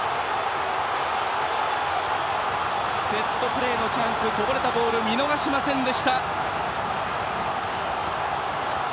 セットプレーのチャンスこぼれたボールを見逃しませんでした！